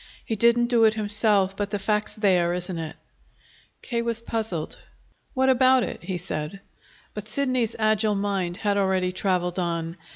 He didn't do it himself; but the fact's there, isn't it?" K. was puzzled. "What about it?" he said. But Sidney's agile mind had already traveled on.